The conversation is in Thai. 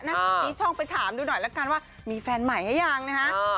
นักพูดชี้ช่องไปถามดูหน่อยแล้วกันว่ามีแฟนใหม่ไหม